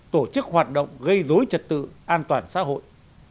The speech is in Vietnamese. tổ chức hoạt động gây dối trật tự an toàn xã hội